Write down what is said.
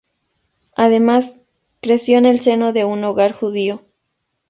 Además, creció en el seno de un hogar judío.